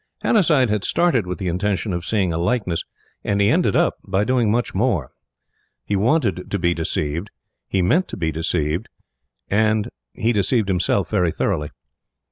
Hannasyde had started with the intention of seeing a likeness, and he ended by doing much more. He wanted to be deceived, he meant to be deceived, and he deceived himself very thoroughly.